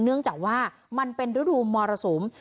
เนื่องจากว่ามันเป็นธุรกิจมรษมตร์